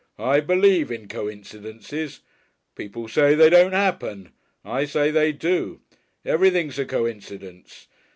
I believe in coincidences. People say they don't happen. I say they do. Everything's a coincidence.